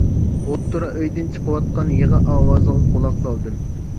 ئوتتۇرا ئويدىن چىقىۋاتقان يىغا ئاۋازىغا قۇلاق سالدىم.